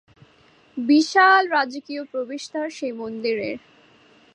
বিশাল রাজকীয় প্রবেশদ্বার সেই মন্দিরের।